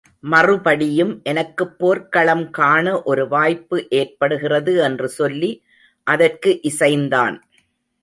மறுபடியும் எனக்குப் போர்க்களம் காண ஒரு வாய்ப்பு ஏற்படுகிறது என்று சொல்லி அதற்கு இசைந்தான்.